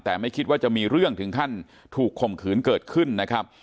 แต่ไม่คิดว่าจะมีเรื่องถึงขั้นถูกข่มขืนเกิดขึ้นนะครับ